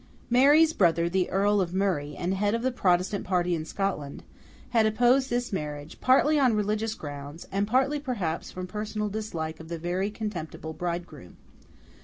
Mary's brother, the Earl of Murray, and head of the Protestant party in Scotland, had opposed this marriage, partly on religious grounds, and partly perhaps from personal dislike of the very contemptible bridegroom.